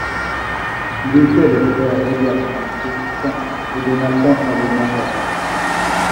Il était le frère d'Elias Marcus et de Nathan Salomon Calisch.